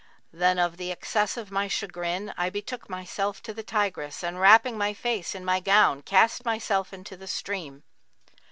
Then, of the excess of my chagrin, I betook myself to the Tigris and wrapping my face in my gown, cast myself into the stream.